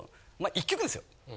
１曲ですよ。